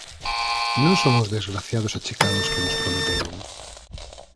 Non son os desgraciados achicados que nos prometeron.